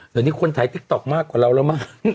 เดี๋ยวนี้คนถ่ายติ๊กต๊อกมากกว่าเราแล้วมั้ง